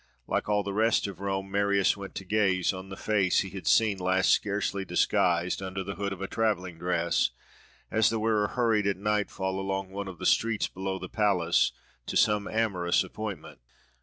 Like all the rest of Rome, Marius went to gaze on the face he had seen last scarcely disguised under the hood of a travelling dress, as the wearer hurried, at night fall, along one of the streets below the palace, to some amorous appointment.